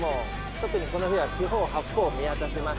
特にこの船は四方八方を見渡せます。